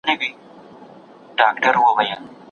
عزتمن خلک تل د رښتیا پلوي کوی.